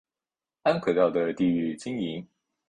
安可道的地域经营。